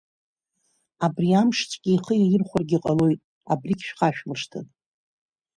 Абри амшцәгьа ихы иаирхәаргьы ҟалоит, абригь шәхашәмыршҭын.